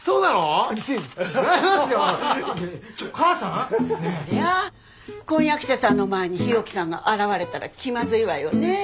そりゃ婚約者さんの前に日置さんが現れたら気まずいわよね。